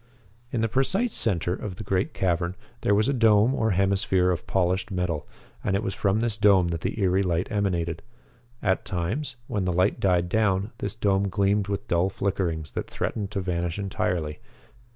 In the precise center of the great cavern there was a dome or hemisphere of polished metal, and it was from this dome that the eery light emanated. At times, when the light died down, this dome gleamed with dull flickerings that threatened to vanish entirely.